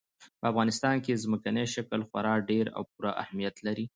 په افغانستان کې ځمکنی شکل خورا ډېر او پوره اهمیت لري.